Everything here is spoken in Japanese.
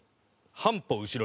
半歩後ろ？